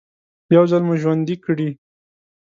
يو ځل مو ژوندي کړي.